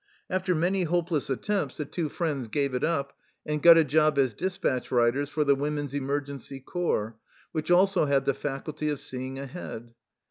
After many hopeless attempts the two friends gave it up and got a job as despatch riders for the Women's Emergency Corps, which also had the faculty of seeing ahead.